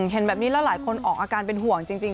เห็นแบบนี้แล้วหลายคนออกอาการเป็นห่วงจริง